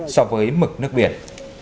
so với mực nước biển